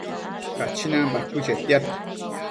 Cachinan bacuë chetiad